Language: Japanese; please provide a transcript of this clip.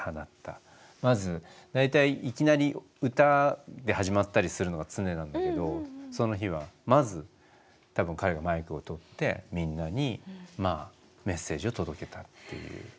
まず大体いきなり歌で始まったりするのが常なんだけどその日はまず多分彼がマイクを取ってみんなにメッセージを届けたっていう。